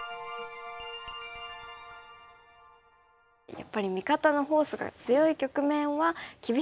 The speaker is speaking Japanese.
やっぱり味方のフォースが強い局面は厳しい攻めが効果的ですね。